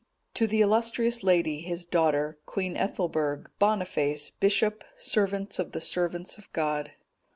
"_To the illustrious lady his daughter, Queen Ethelberg, Boniface, bishop, servant of the servants of God.